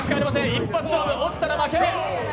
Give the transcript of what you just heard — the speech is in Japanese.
一発勝負、落ちたら負け。